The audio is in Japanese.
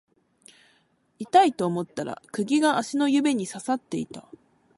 痛いと思ったら釘が足の指に刺さっていた